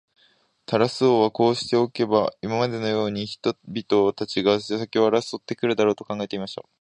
タラス王はこうしておけば、今までのように人民たちが先を争って来るだろう、と考えていました。